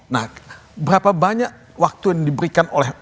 nah berapa banyak waktu yang diberikan oleh